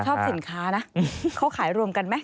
ชอบสินค้านะเขาขายรวมกันไหม